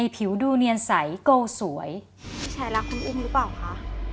พี่ชัยรักคุณอุ้มรึเปล่าคะ